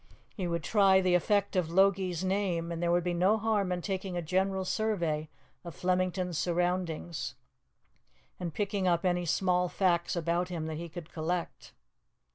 He would try the effect of Logie's name, and there would be no harm in taking a general survey of Flemington's surroundings and picking up any small facts about him that he could collect.